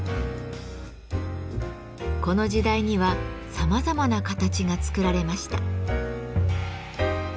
この時代にはさまざまな形が作られました。